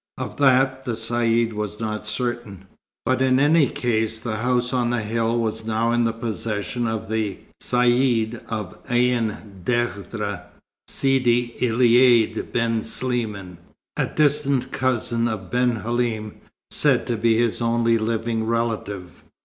Of that, the Caïd was not certain; but in any case the house on the hill was now in the possession of the Caïd of Ain Dehdra, Sidi Elaïd ben Sliman, a distant cousin of Ben Halim, said to be his only living relative.